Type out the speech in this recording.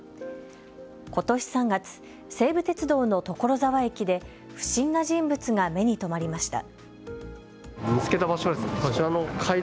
ことし３月、西武鉄道の所沢駅で不審な人物が目に留まりました。